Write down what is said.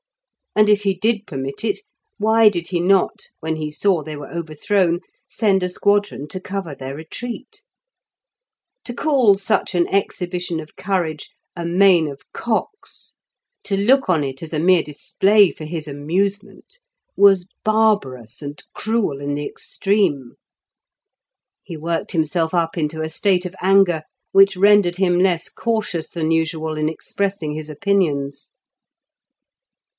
And if he did permit it, why did he not, when he saw they were overthrown, send a squadron to cover their retreat? To call such an exhibition of courage "a main of cocks", to look on it as a mere display for his amusement, was barbarous and cruel in the extreme. He worked himself up into a state of anger which rendered him less cautious than usual in expressing his opinions.